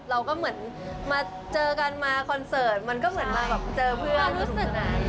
เราก็เหมือนมาเจอกันมาคอนเสิร์ตมันก็เหมือนมาแบบเจอเพื่อนรู้สึก